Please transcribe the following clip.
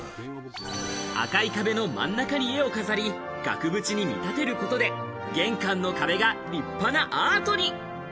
赤い壁の真ん中に絵を飾り、額縁に見立てることで玄関の壁が立派なアートに。